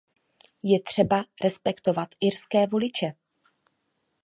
Je třeba respektovat irské voliče.